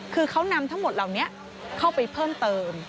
คือเขานำทั้งหมดเหล่านี้เข้าไปเพิ่มเติม